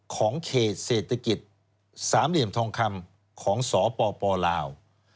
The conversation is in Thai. ของเขตเศรษฐกิจสามเหลี่ยมทองคำของสปลาว